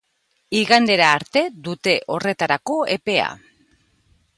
Igandera arte dute horretarako epea.